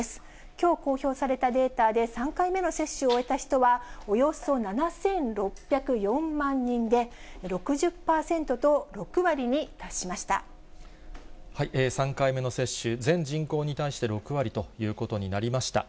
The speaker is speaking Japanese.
きょう公表されたデータで３回目の接種を終えた人は、およそ７６０４万人で、３回目の接種、全人口に対して６割ということになりました。